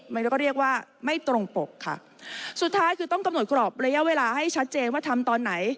เรียกว่าไม่ตรงปกค่ะสุดท้ายคือต้องกำหนดกรอบระยะเวลาให้ชัดเจนว่าทำตอนไหน